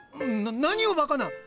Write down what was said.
な何をばかな！